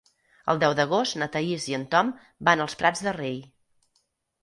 El deu d'agost na Thaís i en Tom van als Prats de Rei.